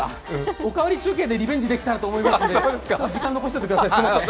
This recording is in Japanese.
「おかわり中継」でリベンジできたらと思いますので、時間残しておいてください。